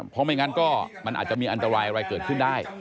เพราะไม่งั้นก็อันตรายอะไรจะเกิดขึ้นได้